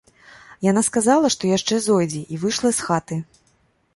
Яна сказала, што яшчэ зойдзе, і выйшла з хаты.